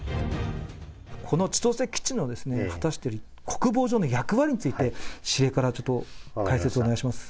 この千歳基地の果たしている国防上の役割について、司令からちょっと、解説、お願いします。